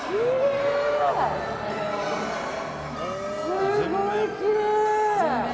すごいきれい！